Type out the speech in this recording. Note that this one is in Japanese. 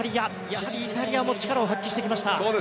やはりイタリアも力を発揮してきました。